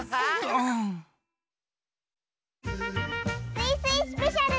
「スイスイスペシャル」！